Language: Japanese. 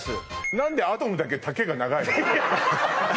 何でアトムだけ丈が長いの？